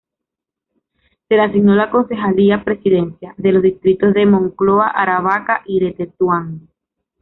Se le asignó la concejalía-presidencia de los distritos de Moncloa-Aravaca y de Tetuán.